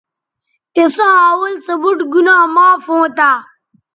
تِساں اول سو بُوٹ گنا معاف ھونتہ